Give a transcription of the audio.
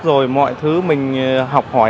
rồi mọi thứ mình học hỏi